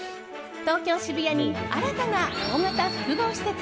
東京・渋谷に新たな大型複合施設